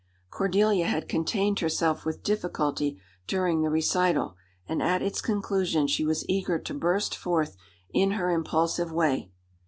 Cordelia had contained herself with difficulty during the recital, and at its conclusion she was eager to burst forth in her impulsive way.